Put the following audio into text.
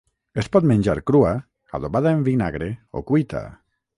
Es pot menjar crua, adobada en vinagre o cuita.